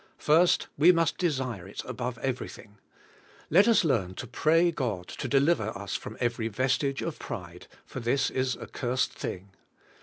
First we must desire it above everything. Let us learn to pray God to deliver us from everj^ vestige of pride, for this is a cursed thing.